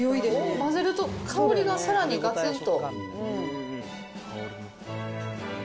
混ぜると香りがさらにがつんと。